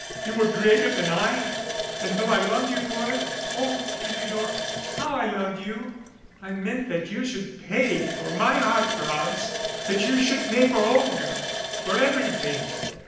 You were greater than I and though I loved you for it (O Philidor, how I loved you!) I meant that you should pay for my heart throbs that you should pay for Olga for everything."